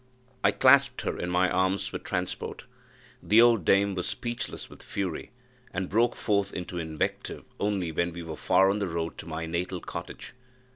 I clasped her in my arms with transport. The old dame was speechless with fury, and broke forth into invective only when we were far on the road to my natal cottage.